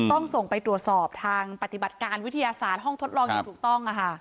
ต้องส่งไปตรวจสอบทางปฏิบัติการวิทยาศาสตร์ห้องทดลองอย่างถูกต้อง